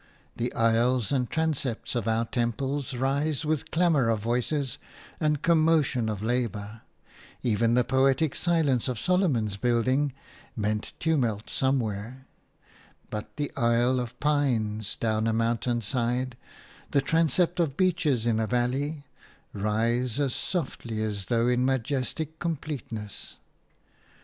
The aisles and transepts of our temples rise with clamour of voices and commotion of labour; even the poetic silence of Solomon's building meant tumult somewhere; but the aisle of pines down a mountain side, the transept of beeches in a valley, rise as softly as a thought into majestic completeness.